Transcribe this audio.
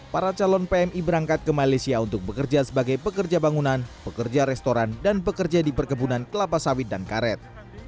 para calon pmi berangkat ke malaysia untuk bekerja sebagai pekerja bangunan pekerja restoran dan pekerja di perkebunan kelapa sawit dan karet